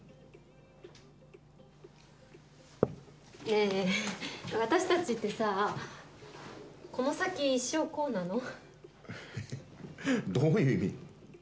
ねえ、私たちってさこの先一生こうなの？どういう意味？